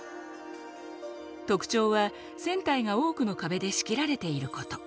特徴は船体が多くの壁で仕切られていること。